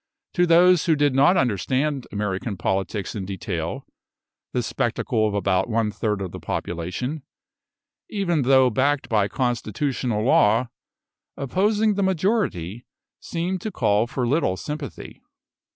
To those who did not understand American politics in detail, the spectacle of about one third of the population, even though backed by constitutional law, opposing the majority, seemed to call for little sympathy.